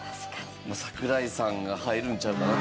桜井さんが入るんちゃうかなと。